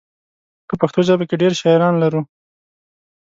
په پښتو ژبه کې ډېر شاعران لرو.